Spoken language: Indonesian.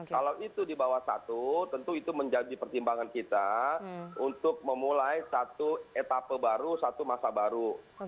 kalau itu di bawah satu tentu itu menjadi pertimbangan kita untuk memulai satu etapa baru satu masa baru